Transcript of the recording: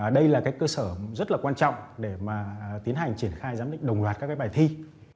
đây là cái cơ sở rất là quan trọng để mà tiến hành triển khai giám định đồng loạt các cái bài thi